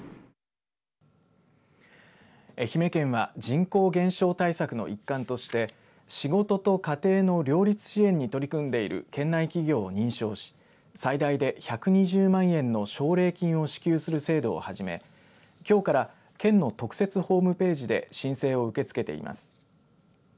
愛媛県は人口減少対策の一環として仕事と家庭の両立支援に取り組んでいる県内企業を認証し最大で１２０万円の奨励金を支給する制度を始めきょうから県の特設ホームページで申請を受け付けています。